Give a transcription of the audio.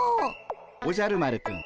おじゃる丸くん